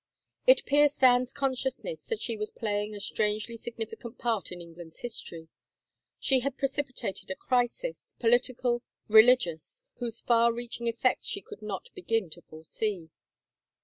It pierced Anne's consciousness that she was playing a strangely significant part in England's history ; she had precipitated a crisis, political, religious, whose far reach ing effects she could not begin to foresee.